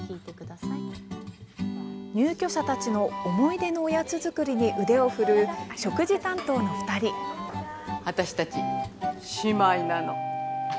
入居者たちの思い出のおやつ作りに腕を振るう私たち姉妹なの。